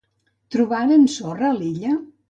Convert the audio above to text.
Trobaren sorra a l'illa?